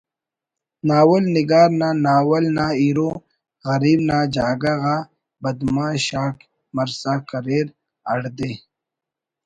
ناول نگار نا ناول نا ہیرو غریب نا جاگہ غا بدمعاش آک مرسا کریر ہڑدے